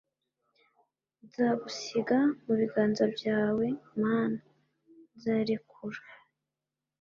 nzagusiga mu biganza byawe, mana. nzarekura